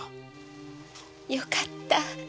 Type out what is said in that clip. よかった。